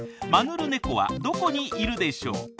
マヌルネコはどこにいるでしょう？